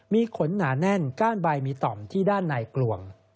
มีขนหนาแน่นก้านใบมีต่อมที่ด้านในกลวง